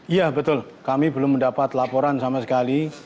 iya betul kami belum mendapat laporan sama sekali